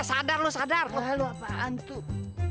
eh sadar lo sadar lo apaan tuh